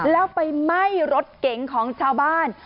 แล้วไปไหม้รถเก๋งของชาวบ้าน